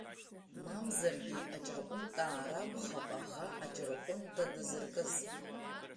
Мамзаргьы Аҷырҟәынтаа ракәхап аӷа аҷырҟәынта дазыркыз!